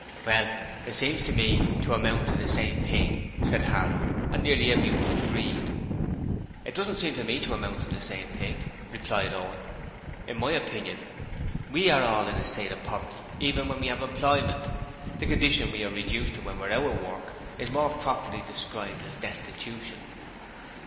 'Well, it seems to me to amount to the same thing,' said Harlow, and nearly everyone agreed. 'It doesn't seem to me to amount to the same thing,' Owen replied. 'In my opinion, we are all in a state of poverty even when we have employment the condition we are reduced to when we're out of work is more properly described as destitution.'